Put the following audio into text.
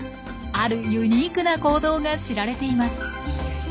あるユニークな行動が知られています。